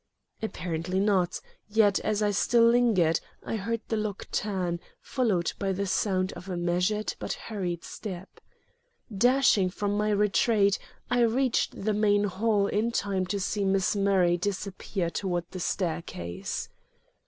Apparently not, yet as I still lingered, I heard the lock turn, followed by the sound of a measured but hurried step. Dashing from my retreat, I reached the main hall in time to see Miss Murray disappear toward the staircase.